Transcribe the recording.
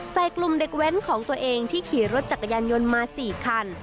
ใส่กลุ่มเด็กแว้นของตัวเองที่ขี่รถจักรยานยนต์มา๔คัน